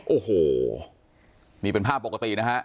โอ้โหนี่เป็นภาพปกตินะฮะ